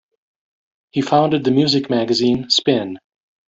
He founded the music magazine "Spin".